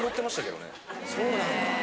そうなんだ。